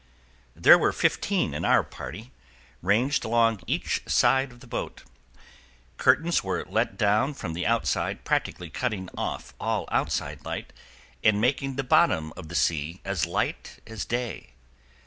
There were fifteen in our party, ranged along each side of the boat. Curtains were let down from the outside, practically cutting off all outside light and making the bottom of the sea as light as day.